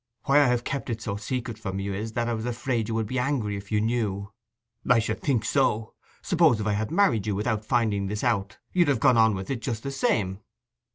Why I have kept it so secret from you is that I was afraid you would be angry if you knew.' 'I should think so! I suppose if I had married you without finding this out you'd have gone on with it just the same?